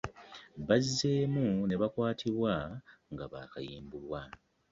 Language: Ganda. Bazzemu ne bakwatibwa nga baakayimbulwa.